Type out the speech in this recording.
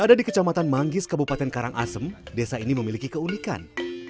ada di kecamatan manggis kabupaten karangasem desa ini memiliki keunikan